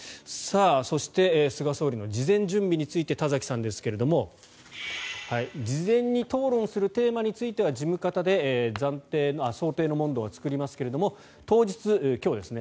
そして菅総理の事前準備について田崎さんですけれども事前に討論するテーマについては事務方で想定の問答は作りますが当日、今日ですね